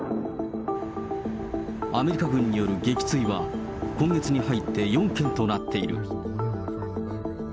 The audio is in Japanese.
アメリカ軍による撃墜は今月に入って４件となっている。